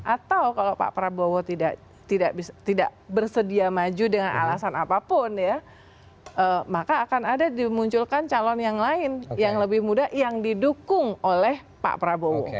atau kalau pak prabowo tidak bersedia maju dengan alasan apapun ya maka akan ada dimunculkan calon yang lain yang lebih muda yang didukung oleh pak prabowo